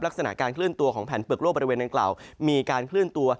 ลักษณะการเคลื่อนตัวของแผนเปลือกโลกบริเวณนั้นกล่าว